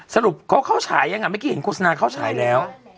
สรุปเขาเข้าฉายยังอ่ะเมื่อกี้เห็นโฆษณาเข้าฉายแล้ว